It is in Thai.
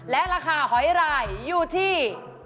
และราคาหอยรายอยู่ที่